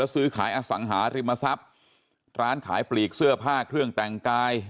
ซื้อขายอสังหาริมทรัพย์ร้านขายปลีกเสื้อผ้าเครื่องแต่งกาย